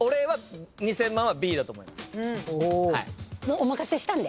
お任せしたんで。